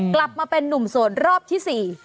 กลับมาเป็นนุ่มโสดรอบที่๔